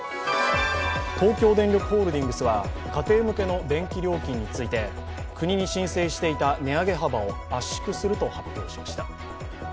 東京電力ホールディングスは家庭向けの電気料金について国に申請していた値上げ幅を圧縮すると発表しました。